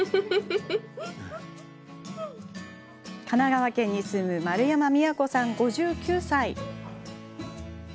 神奈川県に住む丸山都さん５９歳。